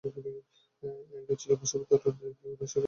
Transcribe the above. আয়কা ছিল পার্শ্ববর্তী অরণ্যের একটি ঘন শাখা-প্রশাখা বিশিষ্ট গাছের নাম।